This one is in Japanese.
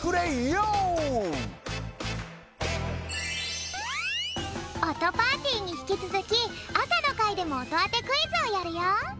オトパーティーにひきつづきあさのかいでもおとあてクイズをやるよ。